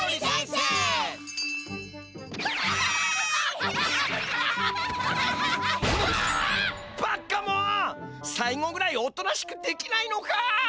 さいごぐらいおとなしくできないのか！